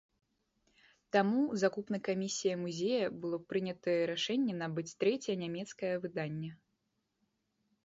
Таму закупнай камісіяй музея было прынятае рашэнне набыць трэцяе нямецкае выданне.